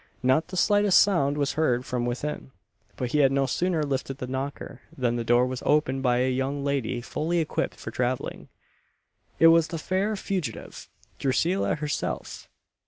Not the slightest sound was heard from within, but he had no sooner lifted the knocker, than the door was opened by a young lady fully equipped for travelling it was the fair fugitive, Drusilla herself!